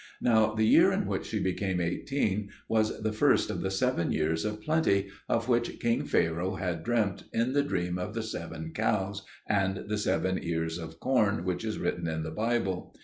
Now the year in which she became eighteen was the first of the seven years of plenty, of which King Pharaoh had dreamt in the dream of the seven cows and the seven ears of corn, which is written in the Bible.